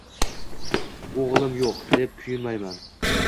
O’g’lim yo’q, deb kuyunmayman.